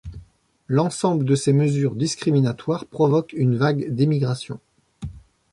L'ensemble de ces mesures discriminatoires provoque une vague d'émigration.